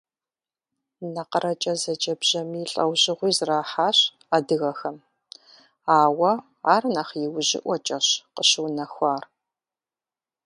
НакъырэкӀэ зэджэ бжьамий лӀэужьыгъуи зэрахьащ адыгэхэм, ауэ ар нэхъ иужьыӀуэкӀэщ къыщыунэхуар.